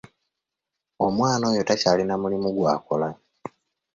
Omwana oyo takyalina mulimu gw'akola.